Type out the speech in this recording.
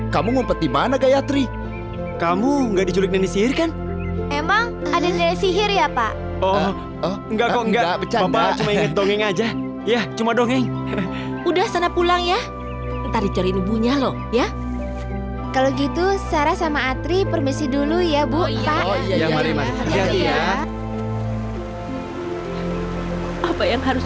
sampai jumpa di video selanjutnya